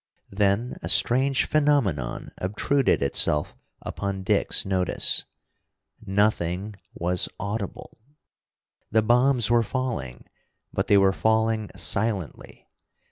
Then a strange phenomenon obtruded itself upon Dick's notice. Nothing was audible! The bombs were falling, but they were falling silently.